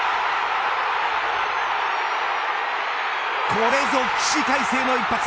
これぞ起死回生の一発。